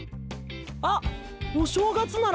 あ！お正月なら！